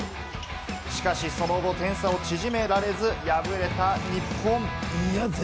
しかしその後、点差を縮められず敗れた日本。